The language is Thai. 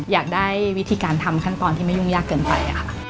อยากได้วิธีการทำขั้นตอนที่ไม่ยุ่งยากเกินไปค่ะ